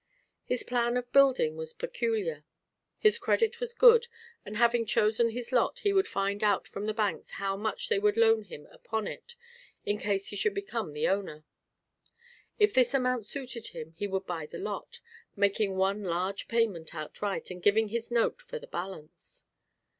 His plan of building was peculiar. His credit was good, and having chosen his lot he would find out from the banks how much they would loan him upon it in case he should become the owner. If this amount suited him, he would buy the lot, making one large payment outright and giving his note for the balance.